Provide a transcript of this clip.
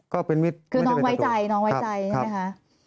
ก็เป็นมิตรไม่ต้องเป็นอย่างตัวตัวครับครับคือน้องไว้ใจใช่ไหมคะ